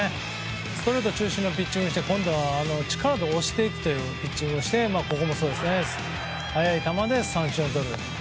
ストレート中心のピッチングをして今度は力で押していくというピッチングをして速い球で三振をとる。